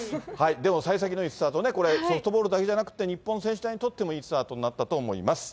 でもさい先のいいスタート、これ、ソフトボールだけじゃなくって、日本選手団にとってもいいスタートになったと思います。